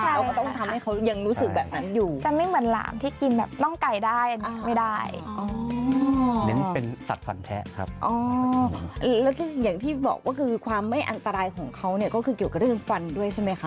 ก็ต้องทำให้เขายังรู้สึกแบบนั้นอยู่